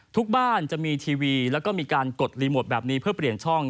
ทุกบ้านจะมีทีวีแล้วก็มีการกดรีโมทแบบนี้เพื่อเปลี่ยนช่อง